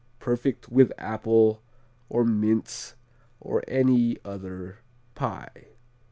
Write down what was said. Perfect with apple or mince or any other pie.